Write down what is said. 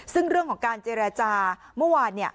ซึ่งเรื่องของการเจรจาเมื่อวาน